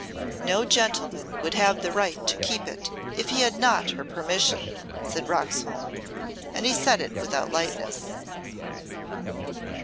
"No gentleman would have the right to keep it if he had not her permission," said Roxholm and he said it without lightness.